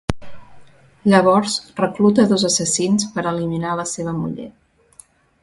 Llavors recluta dos assassins per eliminar la seva muller.